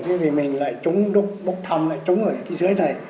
thế thì mình lại trúng đúc bốc thăm lại trúng ở cái dưới này